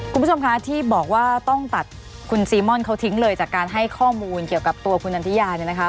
คุณผู้ชมคะที่บอกว่าต้องตัดคุณซีม่อนเขาทิ้งเลยจากการให้ข้อมูลเกี่ยวกับตัวคุณนันทิยาเนี่ยนะคะ